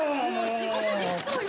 仕事できそうよ